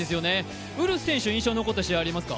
ウルフ選手、印象に残った試合ありますか？